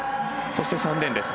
そして３レーンです。